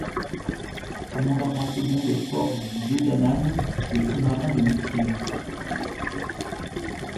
Commandant en second des forces du De Dannan, le sous-marin de Mythrill.